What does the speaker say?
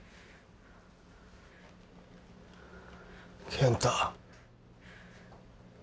・健太。